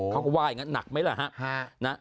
เขาก็ว่าอย่างนั้นหนักไหมล่ะฮะ